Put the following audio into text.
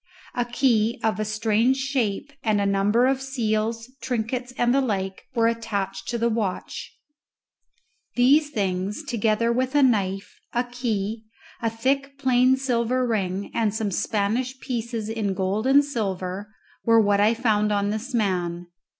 A key of a strange shape and a number of seals, trinkets, and the like, were attached to the watch. These things, together with a knife, a key, a thick plain silver ring, and some Spanish pieces in gold and silver were what I found on this man.